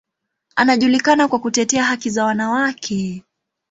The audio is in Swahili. Anajulikana kwa kutetea haki za wanawake.